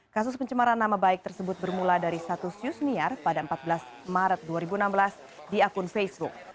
kasus pencemaran nama baik tersebut bermula dari status yusniar pada empat belas maret dua ribu enam belas di akun facebook